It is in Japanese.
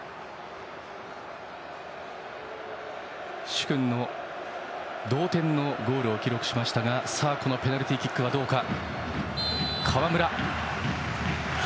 殊勲の同点ゴールを記録しましたがこのペナルティーキックはどうか。